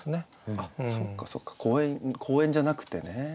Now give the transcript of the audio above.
あっそっかそっか公園じゃなくてね。